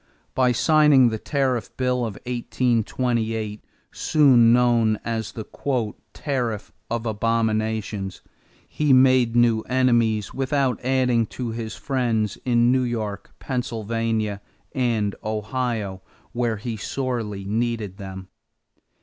By signing the Tariff Bill of 1828, soon known as the "Tariff of Abominations," he made new enemies without adding to his friends in New York, Pennsylvania, and Ohio where he sorely needed them.